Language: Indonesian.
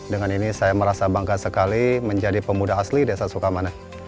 dengan ini saya merasa bangga sekali menjadi pemuda asli desa sukamana